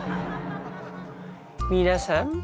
皆さん。